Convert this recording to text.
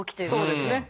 そうですね。